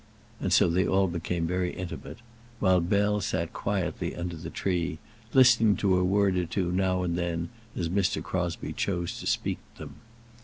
And so they all became very intimate; while Bell sat quietly under the tree, listening to a word or two now and then as Mr. Crosbie chose to speak them.